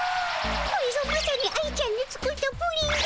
これぞまさに愛ちゃんの作ったプリンじゃ。